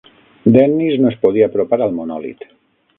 Dennis no es podia apropar al monòlit.